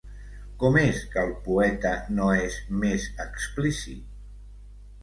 Com és que el poeta no és més explícit?